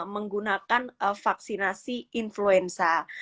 menggunakan vaksinasi influenza